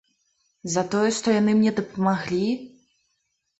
За тое, што яны мне дапамаглі?